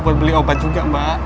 buat beli obat juga mbak